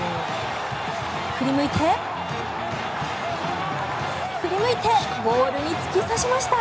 振り向いて、振り向いてゴールに突き刺しました。